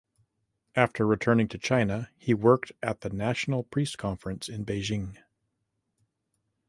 After returning to China he worked at the National Priest Conference in Beijing.